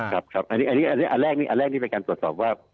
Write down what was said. ครับอันนี้อันแรกนี่เป็นการตรวจสอบว่า